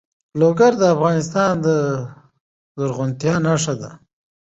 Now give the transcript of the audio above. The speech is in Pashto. لوگر د افغانستان د زرغونتیا نښه ده.